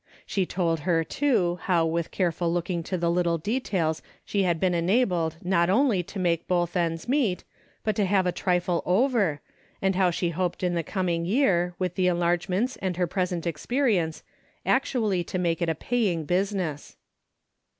She told her, too, how with careful looking to the little details she had been enabled not only to make both ends meet, but to have a trifle over, and how she hoped in the coming year with the enlarge ments and her present experience actually to make it a paying business.